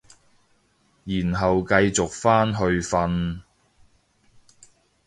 然後繼續返去瞓